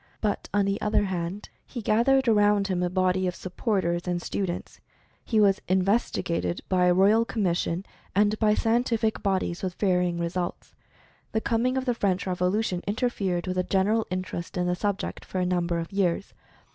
But on the other hand, he gathered around him a body of supporters and stu dents. He was "investigated" by a Ro^al Commis sion, and by scientific bodies, with varying results. The coming of the French Revolution interfered with the general interest in the subject for a number of years.